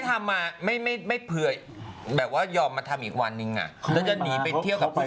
เหมือนกาดดีมาก